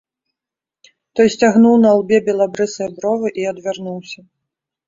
Той сцягнуў на лбе белабрысыя бровы і адвярнуўся.